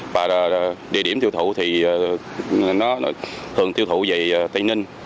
và địa điểm tiêu thụ thì nó thường tiêu thụ về tây ninh